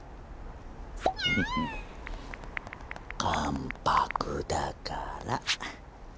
関白だから。